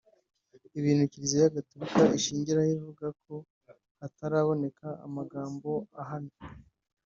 ibintu kiliziya gaturika ishingiraho ivuga ko hataraboneka amagambo ahamye